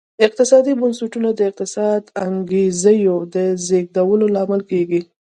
اقتصادي بنسټونه د اقتصادي انګېزو د زېږولو لامل کېږي.